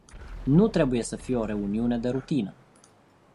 Nu trebuie să fie o reuniune de rutină.